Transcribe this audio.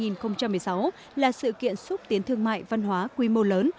năm hai nghìn một mươi sáu là sự kiện xúc tiến thương mại văn hóa quy mô lớn